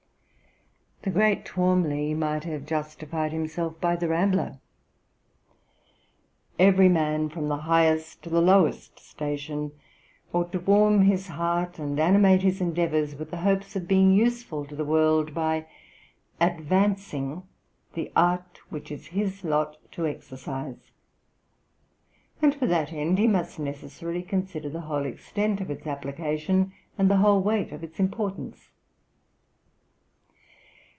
The great Twalmley might have justified himself by The Rambler, No. 9: 'Every man, from the highest to the lowest station, ought to warm his heart and animate his endeavours with the hopes of being useful to the world, by advancing the art which it is his lot to exercise; and for that end he must necessarily consider the whole extent of its application, and the whole weight of its importance....